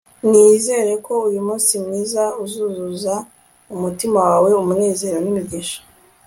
nizere ko uyu munsi mwiza uzuzuza umutima wawe umunezero n'imigisha